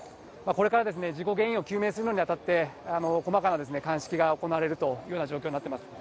これから事故原因を究明するのにあたって、細かな鑑識が行われるというような状況になっています。